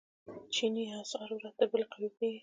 چیني اسعار ورځ تر بلې قوي کیږي.